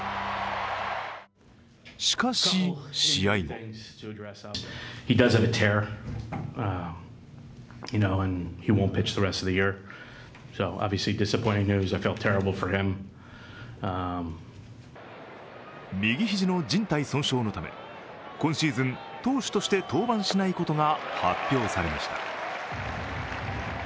しかし、試合後右肘のじん帯損傷のため今シーズン投手として登板しないことが発表されました。